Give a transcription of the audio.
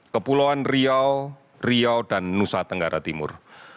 kepulauan riau riau dan nusa tenggara timur